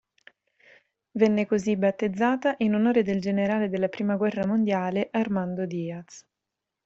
Venne così battezzata in onore del generale della prima guerra mondiale Armando Diaz.